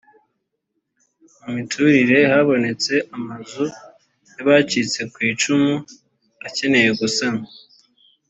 mu miturire habonetse amazu y abacitse ku icumu akeneye gusanwa